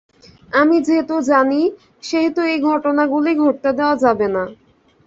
আমি যেহেতু জানি, সেহেতু এই ঘটনাগুলি ঘটতে দেয়া যাবে না।